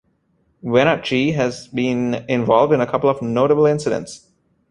"Wenatchee" has been involved in a couple of notable incidents.